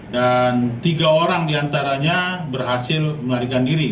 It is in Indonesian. dan tiga orang diantaranya berhasil melarikan diri